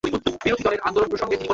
আরে তাহলে আমরা এখানে কি করছি?